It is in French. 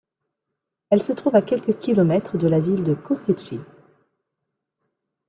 Elle se trouve à quelques kilomètres de la ville de Curtici.